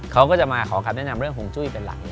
เขาก็จะมาขอคำแนะนำเรื่องห่วงจุ้ยเป็นหลัก